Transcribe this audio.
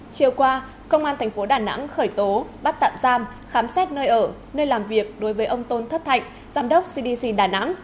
chiều qua công an tp đà nẵng khởi tố bắt tạm giam khám xét nơi ở nơi làm việc đối với ông tôn thất thạnh giám đốc cdc đà nẵng